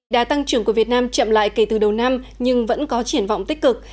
đã tăng trưởng của việt nam chậm lại kể từ đầu năm nhưng vẫn có triển vọng tích cực